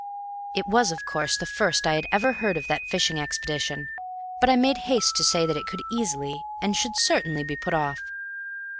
It was, of course, the first I had ever heard of that fishing expedition, but I made haste to say that it could easily, and should certainly, be put off.